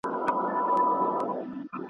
کله چي چا ته زيان رسيږي، هغه ډير خفه کيږي.